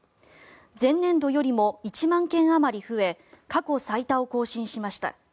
前年度よりも１万件あまり増え過去最多を更新しました。